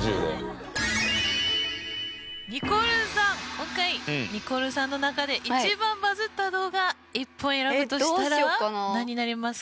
今回ニコルさんの中で一番バズった動画１本選ぶとしたら何になりますか？